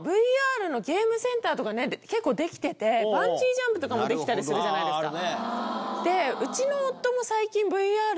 ＶＲのゲームセンターとかね結構できててバンジージャンプとかもできたりするじゃないですか。